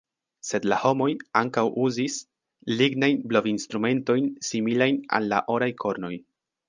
Sed la homoj ankaŭ uzis lignajn blov-instrumentojn similajn al la oraj kornoj.